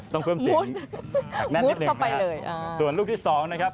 ต้องเพิ่มเสียงหนักแน่นนิดหนึ่งนะฮะส่วนลูกที่สองนะครับ